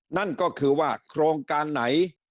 นั่นก็คือว่าโครงการไหน